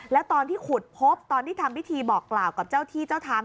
แล้วตอนที่ขุดพบตอนที่ทำพิธีบอกกล่าวกับเจ้าที่เจ้าทาง